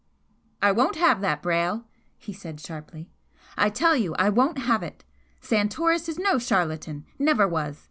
"I won't have that, Brayle!" he said, sharply "I tell you I won't have it! Santoris is no charlatan never was!